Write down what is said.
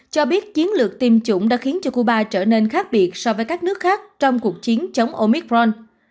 cho biết chiến lược tiêm chủng đã khiến cho cuba trở nên khác biệt so với các nước khác trong cuộc chiến chống oicron